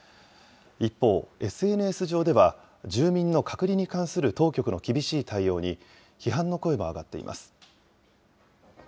一方、ＳＮＳ上では、住民の隔離に関する当局の厳しい対応に批判の声も上がっています。